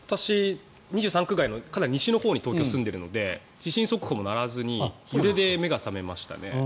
２３区内の西のほうに住んでるので地震速報も鳴らずに揺れで目が覚めましたね。